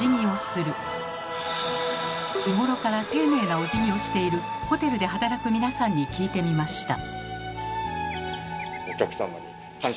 日頃から丁寧なおじぎをしているホテルで働く皆さんに聞いてみました。